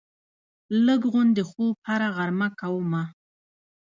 لږ غوندې خوب هره غرمه کومه